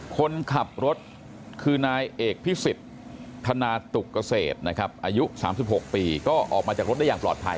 คนขับรถคือนายเอกพิสิทธิ์ธนาตุกเกษตรนะครับอายุ๓๖ปีก็ออกมาจากรถได้อย่างปลอดภัย